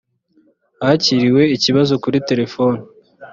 hakiriwe ikibazo kuri telephone